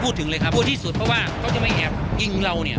เลยครับพูดที่สุดเพราะว่าเขาจะไม่แอบยิงเราเนี่ย